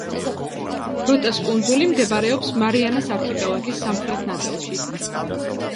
როტას კუნძული მდებარეობს მარიანას არქიპელაგის სამხრეთ ნაწილში.